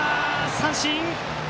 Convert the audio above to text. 三振！